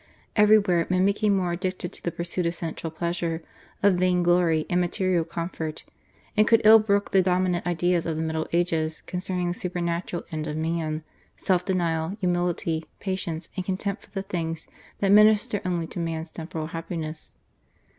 Everywhere men became more addicted to the pursuit of sensual pleasure, of vain glory, and material comfort; and could ill brook the dominant ideas of the Middle Ages concerning the supernatural end of man, self denial, humility, patience, and contempt for the things that minister only to man's temporal happiness.